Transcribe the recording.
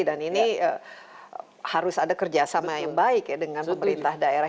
dan ini harus ada kerjasama yang baik ya dengan pemerintah daerah